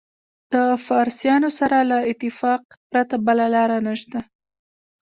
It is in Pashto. د فارسیانو سره له اتفاق پرته بله لاره نشته.